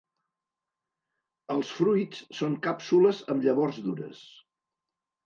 Els fruits són càpsules amb llavors dures.